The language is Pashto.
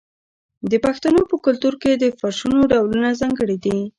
د پښتنو په کلتور کې د فرشونو ډولونه ځانګړي دي.